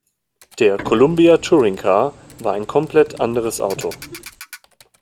Der "Columbia Touring Car" war ein komplett anderes Auto.